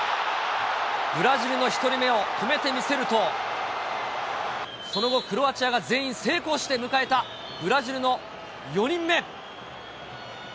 ブラジルの１人目を止めてみせると、その後、クロアチアが全員成功して迎えたブラジルの４人目。